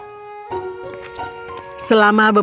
semoga semuanya berjalan lancar